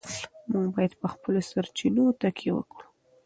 موږ باید په خپلو سرچینو تکیه وکړو.